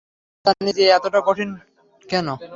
আমরা জানি যে এটা কতটা কঠিন!